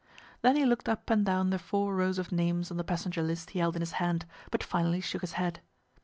Then he looked up and down the four rows of names on the passenger list he held in his hand, but finally shook his head.